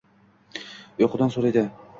Uyqusidan so’raydi.